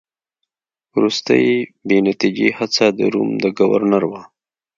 وروستۍ بې نتیجې هڅه د روم د ګورنر وه.